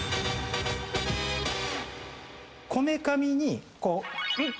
こめかみにんっ！